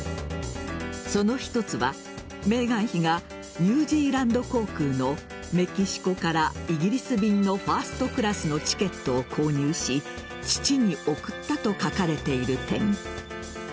その一つは、メーガン妃がニュージーランド航空のメキシコからイギリス便のファーストクラスのチケットを購入し父に送ったと書かれている点。